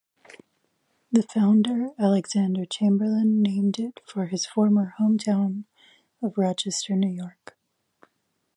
The founder Alexander Chamberlain named it for his former hometown of Rochester, New York.